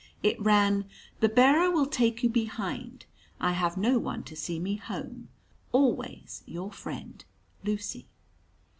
It ran, "The bearer will take you behind. I have no one to see me home. Always your friend Lucy."